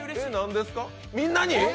みんなに？